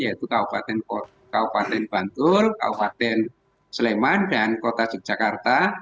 yaitu kabupaten bantul kabupaten sleman dan kota yogyakarta